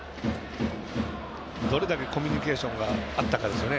どれだけコミュニケーションがあったかですね。